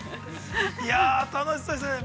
◆楽しそうですね。